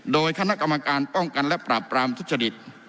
โดยคณะกรรมการป้องกันและปราบปรามทุจริต